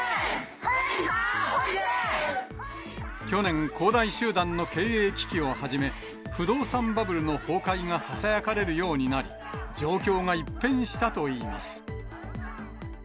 去年、恒大集団の経営危機をはじめ、不動産バブルの崩壊がささやかれるようになり、状況が一変したといいます。